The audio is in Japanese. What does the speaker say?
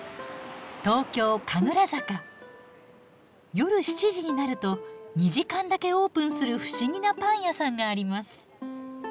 夜７時になると２時間だけオープンする不思議なパン屋さんがあります。